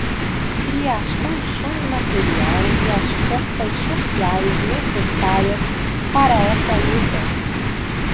cria as condições materiais e as forças sociais necessárias para essa luta